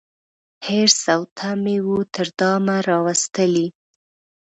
حرص او تمي وو تر دامه راوستلی